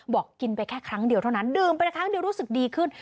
บอกกินไปแค่ครั้งเดียวเท่านั้นดื่มไปละครั้งเดียวรู้สึกดีขึ้น